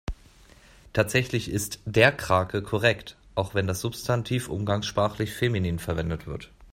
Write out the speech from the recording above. Tatsächlich ist der Krake korrekt, auch wenn das Substantiv umgangssprachlich feminin verwendet wird.